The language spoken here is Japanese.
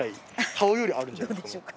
顔よりあるんじゃないですか？